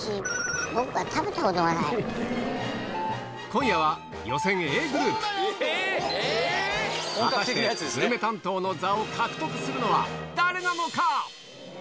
今夜は果たしてグルメ担当の座を獲得するのは誰なのか⁉